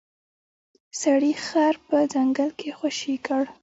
سړي خر په ځنګل کې خوشې کړ.